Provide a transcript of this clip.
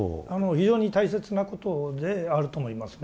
非常に大切なことであると思いますね。